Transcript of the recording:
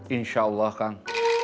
insya allah kang